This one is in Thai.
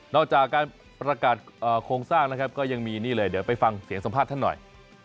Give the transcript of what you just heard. จากการประกาศโครงสร้างนะครับก็ยังมีนี่เลยเดี๋ยวไปฟังเสียงสัมภาษณ์ท่านหน่อย